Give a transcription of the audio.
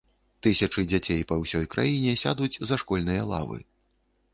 Тысячы дзяцей па ўсёй краіне сядуць за школьныя лавы.